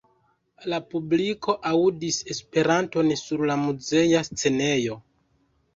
La publiko aŭdis Esperanton sur la muzea scenejo.